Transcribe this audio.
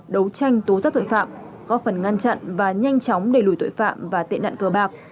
đấu tranh tố giác tội phạm góp phần ngăn chặn và nhanh chóng đẩy lùi tội phạm và tệ nạn cờ bạc